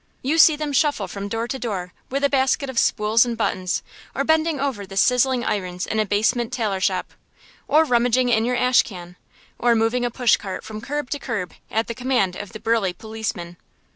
You see them shuffle from door to door with a basket of spools and buttons, or bending over the sizzling irons in a basement tailor shop, or rummaging in your ash can, or moving a pushcart from curb to curb, at the command of the burly policeman.